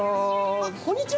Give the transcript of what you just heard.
あっこんにちは。